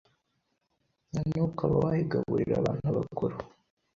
noneho ukaba wayigaburira abantu bakuru,